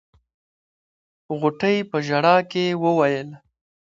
غوټۍ په ژړا کې وويل.